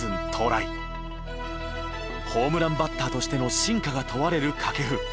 ホームランバッターとしての真価が問われる掛布。